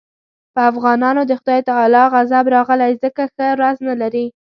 په افغانانو د خدای تعالی غضب راغلی ځکه ښه ورځ نه لري.